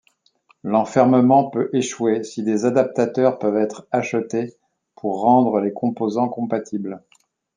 L'enfermement peut échouer si des adaptateurs peuvent être achetés pour rendre les composants compatibles.